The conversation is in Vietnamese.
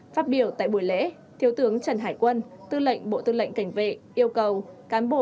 phát biểu tại buổi lễ thiếu tướng trần hải quân tư lệnh bộ tư lệnh cảnh vệ yêu cầu cán bộ